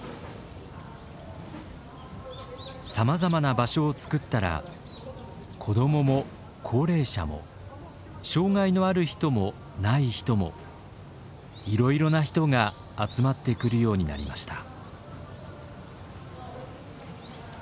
さまざまな場所をつくったら子どもも高齢者も障害のある人もない人もいろいろな人が集まってくるようになりました。